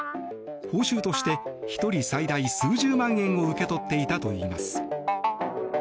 報酬として１人最大数十万円を受け取っていたといいます。